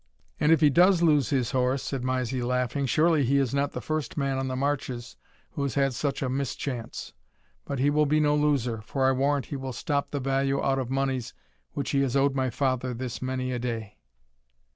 "And if he does lose his horse," said Mysie, laughing, "surely he is not the first man on the marches who has had such a mischance. But he will be no loser, for I warrant he will stop the value out of moneys which he has owed my father this many a day."